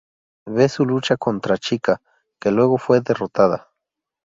Ve su lucha con otra chica, que luego fue derrotada.